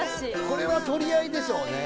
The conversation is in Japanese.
これは取り合いでしょうね。